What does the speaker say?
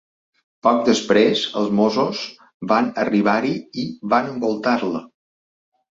Poc després, els mossos van arribar-hi i van envoltar-la.